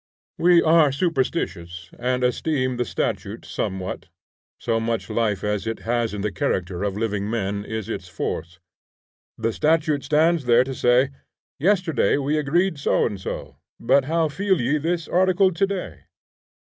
We are superstitious, and esteem the statute somewhat: so much life as it has in the character of living men is its force. The statute stands there to say, Yesterday we agreed so and so, but how feel ye this article to day?